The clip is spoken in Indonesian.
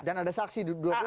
dan ada saksi di dua kubu